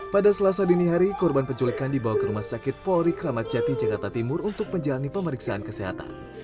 pada selasa dini hari korban penculikan dibawa ke rumah sakit polri kramat jati jakarta timur untuk menjalani pemeriksaan kesehatan